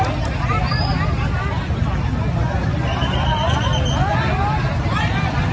อันนี้ก็มันถูกประโยชน์ก่อน